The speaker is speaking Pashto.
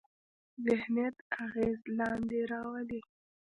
ذهنیت اغېز لاندې راولي.